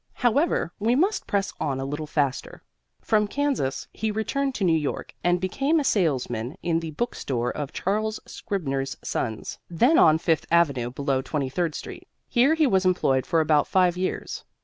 However, we must press on a little faster. From Kansas he returned to New York and became a salesman in the book store of Charles Scribner's Sons, then on Fifth avenue below Twenty third street. Here he was employed for about five years.